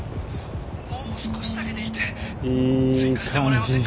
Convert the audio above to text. もう少しだけでいいんで追加してもらえませんか？